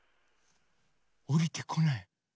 おりてこない。